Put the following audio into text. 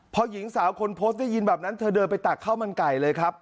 พอหญิงสาวคนโพสต์ได้ยินแบบนั้นเธอเดินไปตักข้าวมันไก่เลยครับ